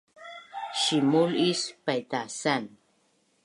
Simul is paitasan